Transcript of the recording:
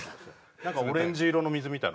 オレンジ色の水みたいな。